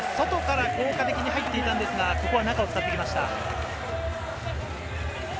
外から効果的に入っていたんですが、ここは中を使ってきました。